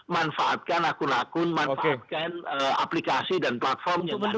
manfaatkan akun akun manfaatkan aplikasi dan platform yang ada di indonesia